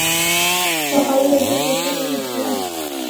زما خبره دې له زړه اوېستله؟